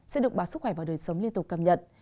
sẽ được bà sức khỏe và đời sống liên tục cầm nhận